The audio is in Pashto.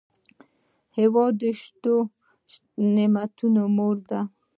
هېواد د شتو نعمتونو مور ده.